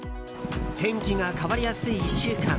天気が変わりやすい１週間。